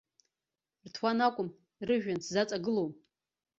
Рҭуан акәым, рыжәҩан сзаҵагылом.